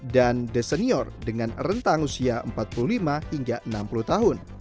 dan the senior dengan rentang usia empat puluh lima hingga enam puluh tahun